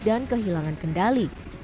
dan kehilangan kendali